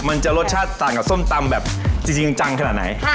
มันจะรสชาติต่างกับส้มตำแบบจริงจังขนาดไหน